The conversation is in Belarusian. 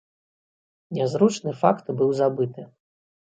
Нязручны факт быў забыты.